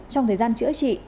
trong thời gian chữa trị